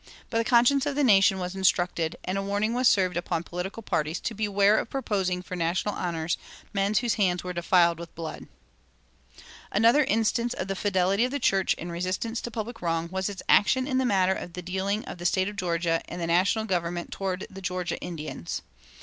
But the conscience of the nation was instructed, and a warning was served upon political parties to beware of proposing for national honors men whose hands were defiled with blood.[264:1] Another instance of the fidelity of the church in resistance to public wrong was its action in the matter of the dealing of the State of Georgia and the national government toward the Georgia Indians.